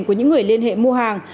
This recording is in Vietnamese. của những người liên hệ mua hàng